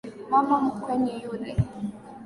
Mama mkwe ni yule.